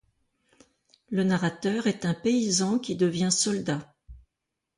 Le narrateur est un paysan qui devient soldat.